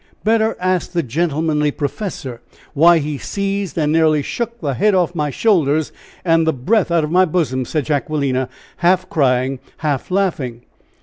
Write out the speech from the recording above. "Better ask 'the gentlemanly professor' why he seized and nearly shook the head off my shoulders and the breath out of my bosom!" said Jacquelina, half crying, half laughing.